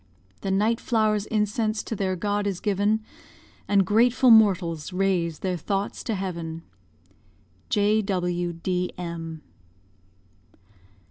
The night flower's incense to their God is given, And grateful mortals raise their thoughts to heaven. J.W.D.M.